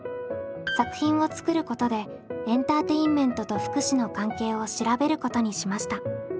作品を作ることでエンターテインメントと福祉の関係を調べることにしました。